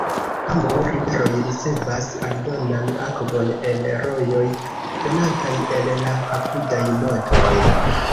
Ambaŭ riveroj ricevas aldonan akvon el rojoj venantaj el la apudaj montoj.